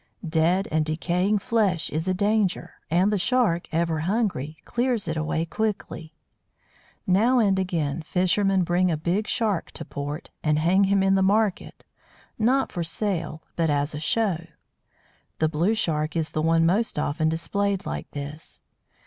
Dead and decaying flesh is a danger, and the Shark, ever hungry, clears it away quickly. Now and again fishermen bring a big Shark to port, and hang him in the market not for sale, but as a "show." The Blue Shark is the one most often displayed like this.